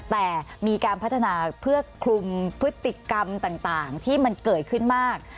แต่มีการพัฒนาเพื่อคลุมพฤติกรรมต่างที่มันเกิดขึ้นมาก